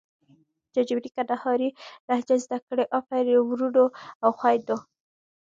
چټ جې پې ټې کندهارې لهجه زده کړه افرین ورونو او خویندو!